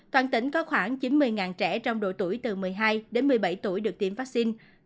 toàn tỉnh có khoảng chín mươi trẻ trong độ tuổi từ một mươi hai đến một mươi bảy tuổi được tiêm vaccine